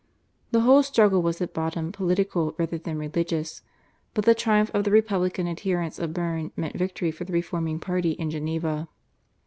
The whole struggle was at bottom political rather than religious, but the triumph of the republican adherents of Berne meant victory for the reforming party in Geneva.